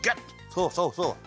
そうそうそう。